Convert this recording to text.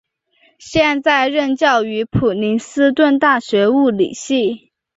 现在任教于普林斯顿大学物理系。